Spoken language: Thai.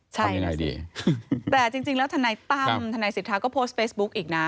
ใช่แต่จริงแล้วธนายตั้มธนายศิษยาก็โพสต์เฟซบุ๊กอีกนะ